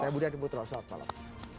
saya budi adi putra salam